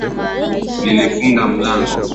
Nilifunga mlango.